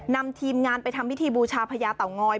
นำทีมงานไปทำพิธีบูชาพญาเต่างอย